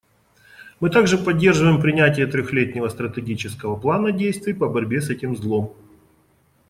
Мы также поддерживаем принятие трехлетнего стратегического плана действий по борьбе с этим злом.